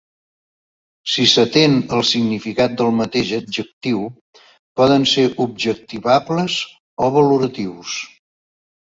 Si s'atén al significat del mateix adjectiu, poden ser objectivables o valoratius.